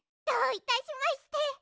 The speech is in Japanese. どういたしまして。